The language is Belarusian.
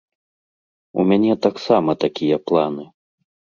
У мяне таксама такія планы.